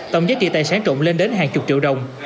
tổng giá trị tài sản trộm lên đến hàng chục triệu đồng